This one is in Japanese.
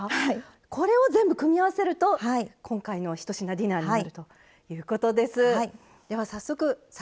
これを全部組み合わせると今回の１品ディナーになるということです。